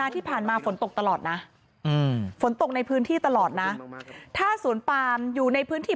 ที่ผ่านมาฝนตกตลอดนะฝนตกในพื้นที่ตลอดนะถ้าสวนปามอยู่ในพื้นที่